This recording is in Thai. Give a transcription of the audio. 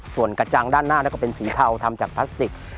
ส่วนกระจังด้านหน้าก็เป็นสีเทาทำจากพลาสติก